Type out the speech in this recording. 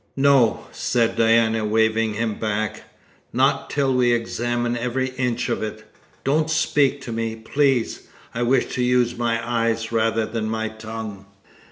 "No!" said Diana, waving him back. "Not till we examine every inch of it; don't speak to me, please. I wish to use my eyes rather than my tongue."